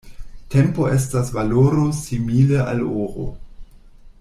Tempo estas valoro simile al oro.